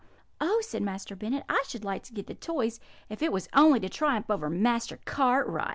"'Oh!' said Master Bennet, 'I should like to get the toys, if it was only to triumph over Master Cartwright.